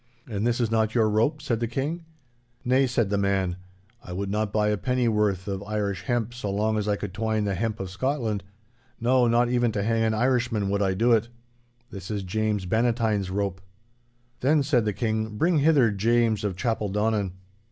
'And this is not your rope?' said the King. 'Nay,' said the man, 'I would not buy a pennyworth of Irish hemp so long as I could twine the hemp of Scotland—no, not even to hang an Irishman would I do it. This is James Bannatyne's rope!' Then said the King, 'Bring hither James of Chapeldonnan!